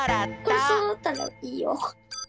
これそろったらいいよ。